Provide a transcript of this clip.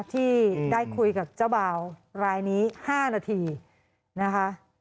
ที่ได้คุยกับเจ้าบ่าวรายนี้๕นาทีนะคะ